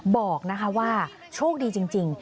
บอกว่าโชคดีจริง